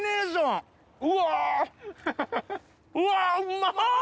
うわうわうまっ！